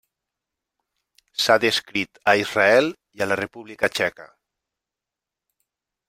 S'ha descrit a Israel i a la República Txeca.